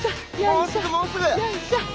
もうすぐもうすぐ！